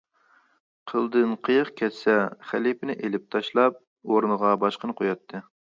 قىلدىن قېيىق كەتسە، خەلىپىنى ئېلىپ تاشلاپ، ئورنىغا باشقىنى قوياتتى.